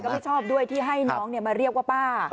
ไม่ชอบด้วยที่ให้น้องมาเรียกว่าป้า